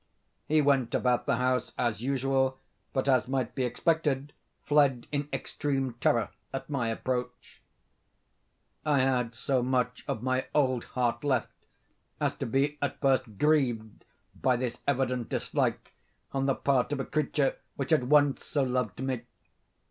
He went about the house as usual, but, as might be expected, fled in extreme terror at my approach. I had so much of my old heart left, as to be at first grieved by this evident dislike on the part of a creature which had once so loved me.